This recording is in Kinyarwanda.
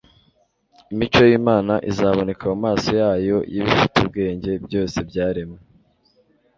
imico y'Imana izaboneka mu maso yose y'ibifite ubwenge byose byaremwe.